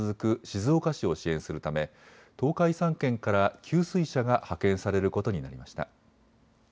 静岡市を支援するため東海３県から給水車が派遣されることになりました。